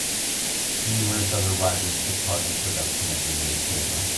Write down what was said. Numerous other writers took part in the production of the newspaper.